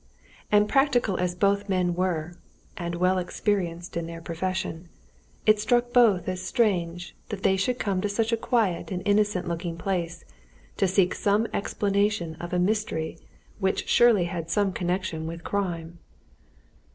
And practical as both men were, and well experienced in their profession, it struck both as strange that they should come to such a quiet and innocent looking place to seek some explanation of a mystery which had surely some connection with crime.